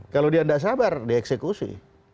kalau dia tidak sabar dieksekusi